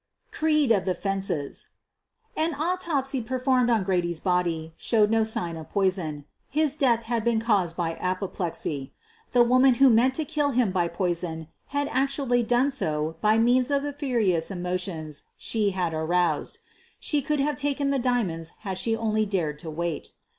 CBEED OF THE " FENCES' ' An autopsy performed on Grady's body showed no sign of poison. His death had been caused by apoplexy. The woman who meant to kill him by QUEEN OF THE BURGLARS 207 poison had actually done so by means of the furious emotions she had aroused. She could have taken the diamonds had she only dared to wait.